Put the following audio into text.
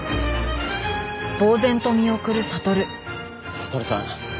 悟さん